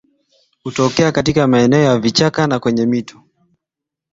Hutokea katika maeneo ya vichaka na kwenye mito